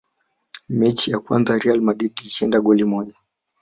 mechi ya kwanza real madrid ilishinda goli moja